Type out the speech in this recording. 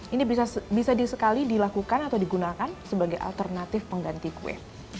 ini bisa disekali dilakukan atau digunakan sebagai alternatif pengganti kue